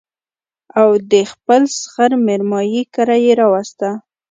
او د خپل سخر مېرمايي کره يې راوسته